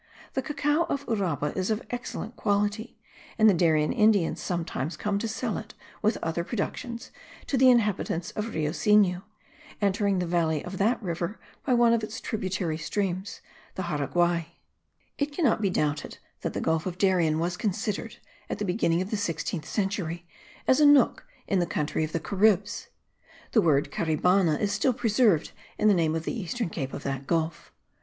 The cacao of Uraba is of excellent quality; and the Darien Indians sometimes come to sell it, with other productions, to the inhabitants of Rio Sinu, entering the valley of that river by one of its tributary streams, the Jaraguai. It cannot be doubted that the Gulf of Darien was considered, at the beginning of the sixteenth century, as a nook in the country of the Caribs. The word Caribana is still preserved in the name of the eastern cape of that gulf.